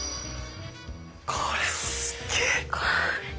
これすげえ。